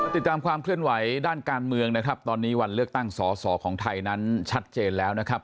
ติดตามความเคลื่อนไหวด้านการเมืองนะครับตอนนี้วันเลือกตั้งสอสอของไทยนั้นชัดเจนแล้วนะครับ